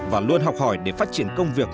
và luôn học hỏi để phát triển công việc